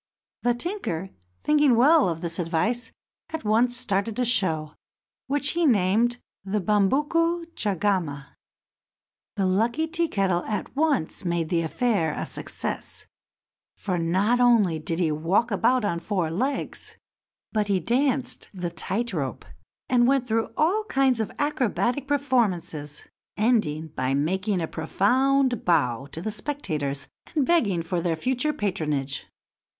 The tinker, thinking well of this advice, at once started a show, which he named the Bumbuku Chagama. The lucky Tea kettle at once made the affair a success, for not only did he walk about on four legs, but he danced the tight rope, and went through all kinds of acrobatic performances, ending by making a profound bow to the spectators, and begging for their future patronage.